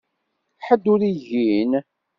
Ḥedd ur igin.